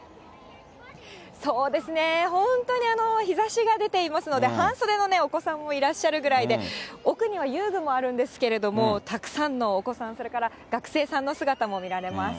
そうですね、本当に日ざしが出ていますので、半袖のお子さんもいらっしゃるぐらいで、奥には遊具もあるんですけれども、たくさんのお子さん、それから学生さんの姿も見られます。